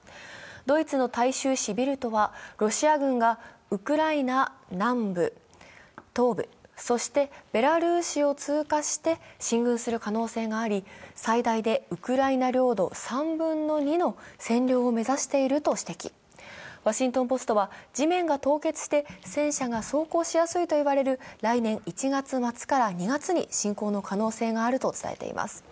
ドイツの大衆紙「ビルト」はロシアがウクライナ南部、東部、そしてベラルーシを通過して進軍する可能性があり、最大でウクライナ領土３分の２の占領を目指しているとし、「ワシントン・ポスト」は地面が凍結して戦車が走行しやすいと言われる来年１月末から２月に侵攻の可能性があると伝えています。